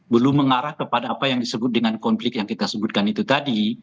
belum mengarah kepada apa yang disebut dengan konflik yang kita sebutkan itu tadi